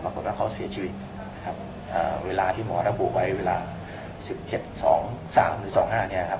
ปรากฏว่าเขาเสียชีวิตนะครับอ่าเวลาที่หมอระบุไว้เวลาสิบเจ็ดสองสามหรือสองห้าเนี่ยครับ